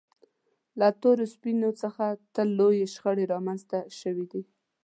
له تورو سپینو څخه تل لویې شخړې رامنځته شوې دي.